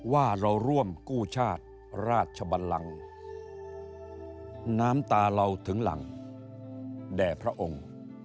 ว่าเราร่วมกู้ชาติราชบันลังน้ำตาเราถึงหลังแด่พระองค์